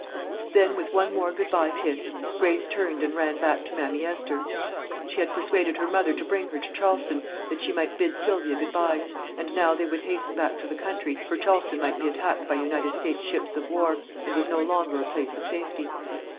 Then with one more good bye kiss Grace turned and ran back to Mammy Esther. She had persuaded her mother to bring her to Charleston that she might bid Sylvia good bye, and now they would hasten back to the country, for Charleston might be attacked by United States ships of war, and was no longer a place of safety.